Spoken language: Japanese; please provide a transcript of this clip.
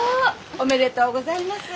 おめでとうございます。